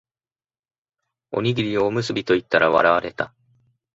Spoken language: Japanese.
おにぎりをおむすびと言ったら笑われた